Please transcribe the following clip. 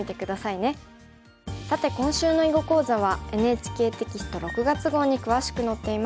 さて今週の囲碁講座はＮＨＫテキスト６月号に詳しく載っています。